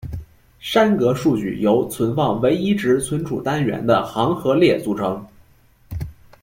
栅格数据由存放唯一值存储单元的行和列组成。